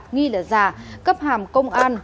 nghi là giả cấp hàm công an